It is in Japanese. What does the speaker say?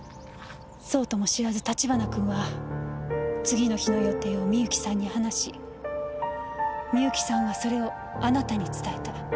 そうとも知らず立花君は次の日の予定をみゆきさんに話しみゆきさんはそれをあなたに伝えた。